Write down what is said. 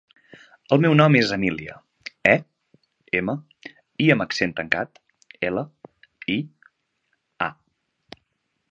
El meu nom és Emília: e, ema, i amb accent tancat, ela, i, a.